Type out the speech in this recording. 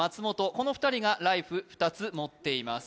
この２人がライフ２つ持っています